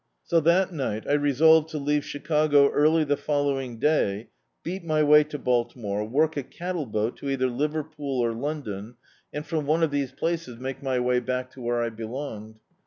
So, that ni^t, I resolved to leave Chicago early the following day, beat my way to Baltimore, work a cattle boat to either Liverpool or London, and [>J8] D,i.,.db, Google Home from one of these places make my way back to where I belonged.